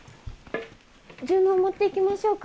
十能持っていきましょうか？